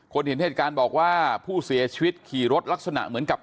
เห็นเหตุการณ์บอกว่าผู้เสียชีวิตขี่รถลักษณะเหมือนกับ